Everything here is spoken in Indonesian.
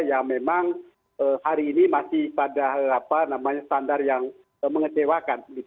yang memang hari ini masih pada standar yang mengecewakan